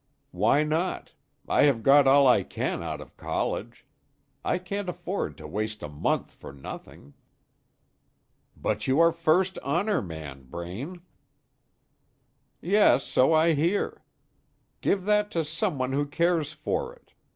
"Why not? I have got all I can out of college. I can't afford to waste a month for nothing." "But you are first honor man, Braine!" "Yes, so I hear. Give that to some one who cares for it.